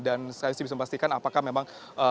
dan saya bisa memastikan apakah memang